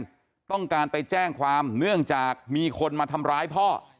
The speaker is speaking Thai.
ต้องการไปแจ้งความเนื่องจากมีคนมาทำร้ายพ่อ